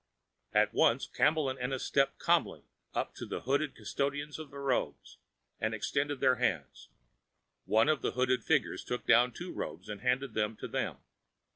At once Campbell and Ennis stepped calmly up to the hooded custodians of the robes, and extended their hands. One of the hooded figures took down two robes and handed them to them.